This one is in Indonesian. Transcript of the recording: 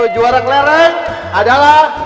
juara kelereng adalah